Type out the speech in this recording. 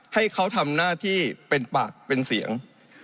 ให้เขาทำหน้าที่เป็นปากเป็นเสียง